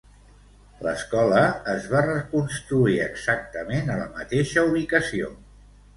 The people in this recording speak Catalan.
L'escola es va reconstruir exactament a la mateixa ubicació.